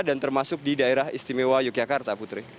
dan termasuk di daerah istimewa yogyakarta putri